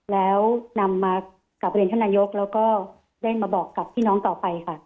แล้วนำมากลับเรียนท่านนายกแล้วก็เร่งมาบอกกับพี่น้องต่อไปค่ะ